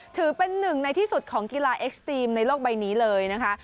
ถือเป็นหนึ่งในที่สุดของกีฬาเอ็กซ์ตรีมในโลกใบนี้เลยนะคะ